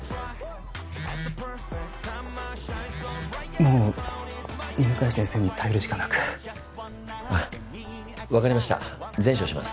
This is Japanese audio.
もう犬飼先生に頼るしかなくあっわかりました善処します。